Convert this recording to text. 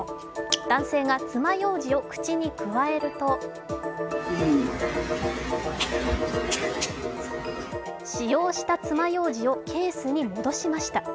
男性が爪ようじを口にくわえると使用した爪ようじをケースに戻しました。